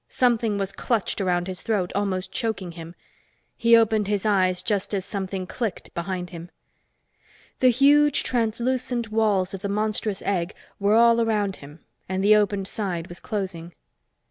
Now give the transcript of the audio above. Something was clutched around his throat, almost choking him. He opened his eyes just as something clicked behind him. The huge, translucent walls of the monstrous egg were all around him and the opened side was closing.